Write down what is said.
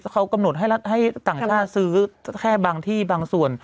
เขากำหนดให้รัฐให้ต่างชาติซื้อแค่บางที่บางส่วน